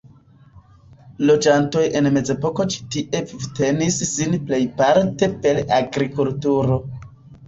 Loĝantoj en mezepoko ĉi tie vivtenis sin plejparte per agrikulturo.